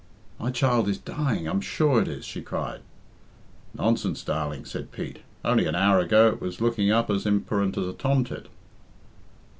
"My child is dying I'm sure it is," she cried. "Nonsense, darling," said Pete. "Only an hour ago it was looking up as imperent as a tomtit."